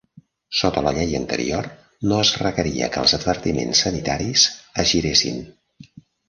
Sota la llei anterior, no es requeria que els advertiments sanitaris es giressin.